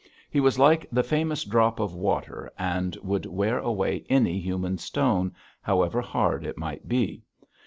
He was like the famous drop of water and would wear away any human stone, however hard it might be.